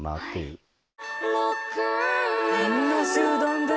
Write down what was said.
あんな集団で。